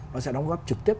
nó sẽ đóng góp trực tiếp